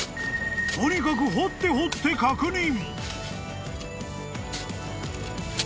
［とにかく掘って掘って確認］